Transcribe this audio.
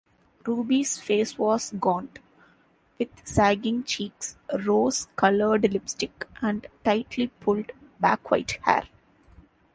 Ruby's face was gaunt, with sagging cheeks, rose-colored lipstick, and tightly pulled-back white hair.